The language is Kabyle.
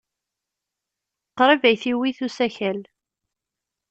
Qrib ay t-iwit usakal.